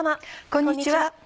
こんにちは。